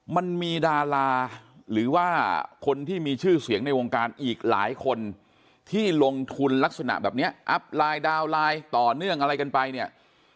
มันมีดาราหรือว่าคนที่มีชื่อเสียงในวงการอีกหลายคนที่ลงทุนลักษณะแบบนี้อัพไลน์ดาวน์ไลน์ต่อเนื่องอะไรกันไปเนี่ย